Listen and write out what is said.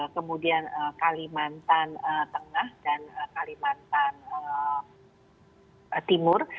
kemudian kalimantan tengah dan kalimantan timur